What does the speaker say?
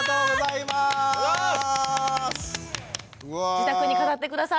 自宅に飾って下さい。